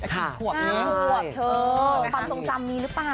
ค่ะขวบเทอมความทรงจำมีหรือเปล่า